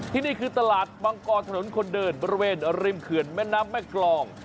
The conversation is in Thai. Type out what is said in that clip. นี่คือตลาดมังกรถนนคนเดินบริเวณริมเขื่อนแม่น้ำแม่กรอง